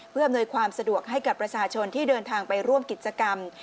เพื่ออำนวยความสะดวกให้กับประชาชนที่เดินทางไปร่วมกิจกรรม